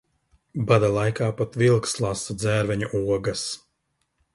Bada laikā pat vilks lasa dzērveņu ogas.